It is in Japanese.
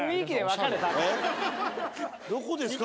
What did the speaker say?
どこですか？